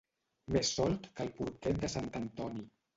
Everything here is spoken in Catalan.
Més solt que el porquet de sant Antoni.